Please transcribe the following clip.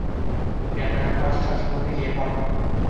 Camera ঠাস ঠাস মুখে গিয়ে পড়ে।